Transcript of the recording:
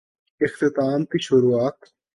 اختتام کی شروعات؟